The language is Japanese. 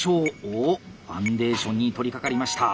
おおファンデーションに取りかかりました。